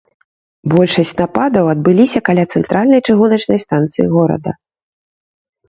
Большасць нападаў адбыліся каля цэнтральнай чыгуначнай станцыі горада.